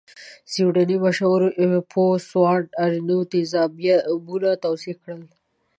سویډنۍ مشهور پوه سوانت ارینوس تیزابونه توضیح کړل.